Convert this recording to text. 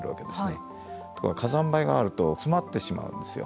ところが火山灰があると詰まってしまうんですよ。